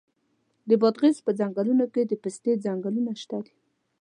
د بادغیس په څنګلونو کې د پستې ځنګلونه شته دي.